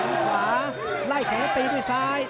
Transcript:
ขวาไล่แขนตีด้วยซ้าย